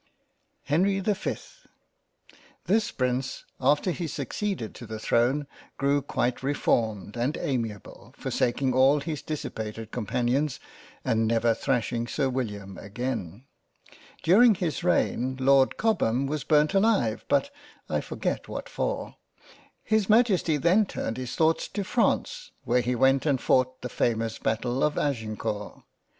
HENRY the 5th THIS Prince after he succeeded to the throne grew quite reformed and amiable, forsaking all his dis sipated companions, and never thrashing Sir William again. During his reign, Lord Cobham was burnt alive, but I forget what for. His Majesty then turned his thoughts to France, where he went and fought the famous Battle of Agin court.